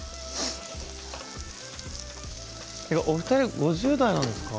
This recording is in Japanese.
お二人は５０代なんですか？